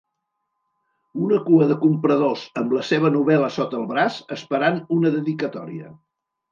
Una cua de compradors amb la seva novel·la sota el braç esperant una dedicatòria.